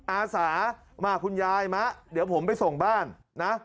อาสามาคุณยายมะเดี๋ยวผมไปส่งบ้านนะ